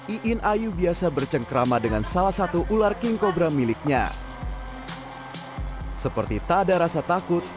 iin ayu biasa bercengkrama dengan salah satu ular king cobra miliknya seperti tak ada rasa takut